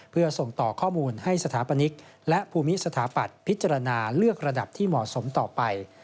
เพื่อส่งต่อข้อมูลให้สถาปนิกและภูมิสถาปัตย์พิจารณาเลือกระดับที่เหมาะสมต่อไป